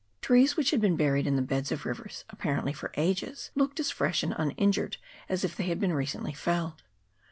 Trees which had been buried in the beds of rivers, apparently for ages, looked as fresh and un injured as if they had been recently felled.